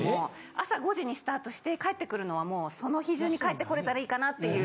朝５時にスタートして帰ってくるのはもうその日中に帰ってこれたらいいかなっていう。